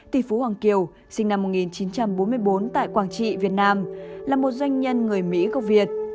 tỷ phú hoàng kiều sinh năm một nghìn chín trăm bốn mươi bốn tại quảng trị việt nam là một doanh nhân người mỹ gốc việt